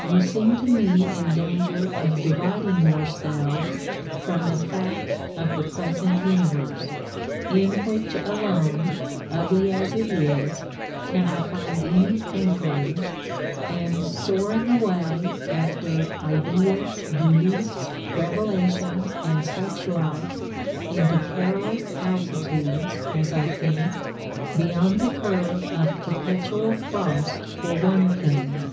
You seem to me in danger of dividing yourselves from the Fact of the present Universe, in which alone, ugly as it is, can I find any anchorage, and soaring away after Ideas, Beliefs, Revelations, and such like — ^into perilous altitudes as I think ; beyond the curve of perpetual frost, for one thing